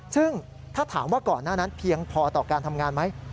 ซึ่งถ้าถามว่าก่อนหน้านั้นเพียงพอต่อการทำงานไหม